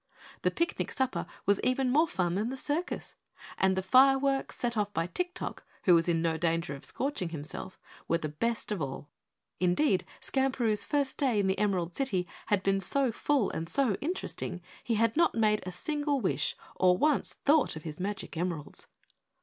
The picnic supper was even more fun than the circus, and the fireworks, set off by Tik Tok, who was in no danger of scorching himself, the best of all. Indeed, Skamperoo's first day in the Emerald City had been so full and so interesting he had not made a single wish or once thought of his magic emeralds.